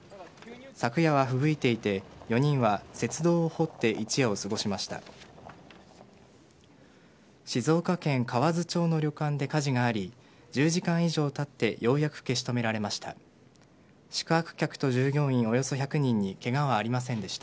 昨夜は、ふぶいていて４人は雪洞を掘って一夜を過ごしました。